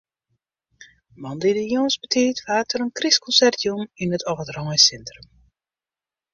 Moandei de jûns betiid wurdt der in krystkonsert jûn yn it âldereinsintrum.